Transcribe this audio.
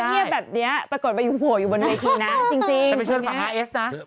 เงียบแบบนี้ปรากฏไปอยู่บนเวทีนะจริง